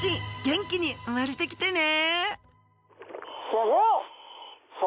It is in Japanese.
元気に生まれてきてね！